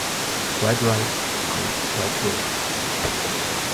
Quite right, and quite true.